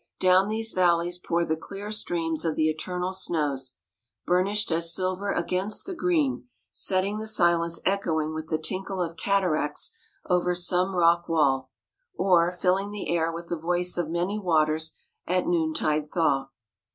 Down these valleys pour the clear streams of the eternal snows, burnished as silver against the green, setting the silence echoing with the tinkle of cataracts over some rock wall, or filling the air with the voice of many waters at noontide thaw.